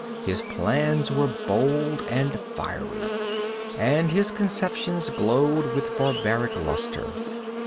His plans were bold and fiery, and his conceptions glowed with barbaric lustre.